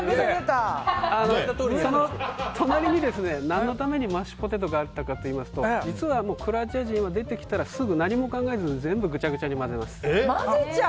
その隣に何のためにマッシュポテトがあったかといいますと実はクロアチア人は出てきたらすぐに、何も考えずぐちゃぐちゃに混ぜます。